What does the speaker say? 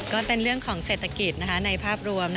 ก็เป็นเรื่องของเศรษฐกิจในภาพรวม